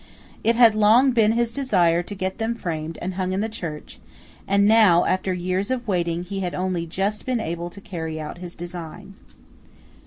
It had long been his desire to get them framed and hung in the church; and now, after years of waiting, he had only just been able to carry out his design.